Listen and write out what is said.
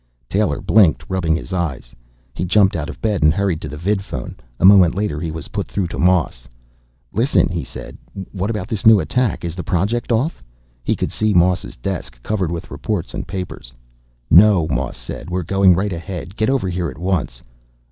Taylor blinked, rubbing his eyes. He jumped out of bed and hurried to the vidphone. A moment later he was put through to Moss. "Listen," he said. "What about this new attack? Is the project off?" He could see Moss's desk, covered with reports and papers. "No," Moss said. "We're going right ahead. Get over here at once."